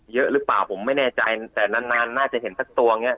เยอะหรือเปล่าผมไม่แน่ใจแต่นานนานน่าจะเห็นสักตัวอย่างเงี้